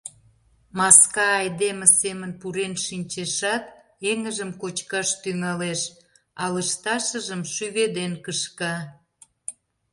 — Маска айдеме семын пурен шинчешат, эҥыжым кочкаш тӱҥалеш, а лышташыжым шӱведен кышка..